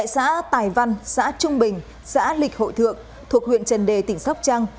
xã tài văn xã trung bình xã lịch hội thượng thuộc huyện trần đề tỉnh sóc trang